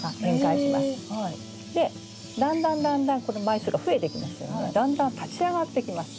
でだんだんだんだんこの枚数が増えてきますのでだんだん立ち上がってきます。